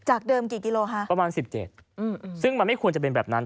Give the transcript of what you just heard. จากเดิมกี่กิโลฮะประมาณสิบเจ็ดอืมอืมซึ่งมันไม่ควรจะเป็นแบบนั้น